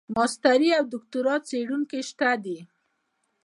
ماسټري او دوکتورا څېړونکي شته دي.